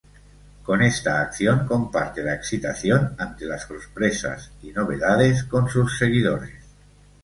Con esta acción, comparte la excitación ante las sorpresas y novedades con sus seguidores.